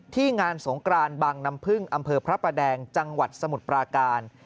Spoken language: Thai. งานสงกรานบางน้ำพึ่งอำเภอพระประแดงจังหวัดสมุทรปราการ